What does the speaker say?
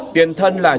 tiền thân là trường